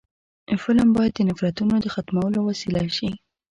فلم باید د نفرتونو د ختمولو وسیله شي